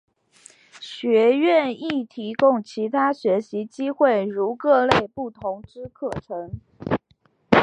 学院亦提供其他学习机会如各类不同之课程。